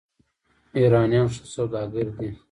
ایرانیان ښه سوداګر دي.